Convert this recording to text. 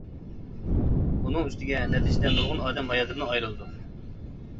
ئۇنىڭ ئۈستىگە نەتىجىدە نۇرغۇن ئادەم ھاياتىدىن ئايرىلىدۇ.